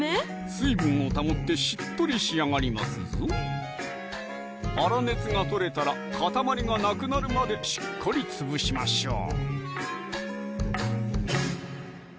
水分を保ってしっとり仕上がりますぞ粗熱が取れたら塊がなくなるまでしっかり潰しましょう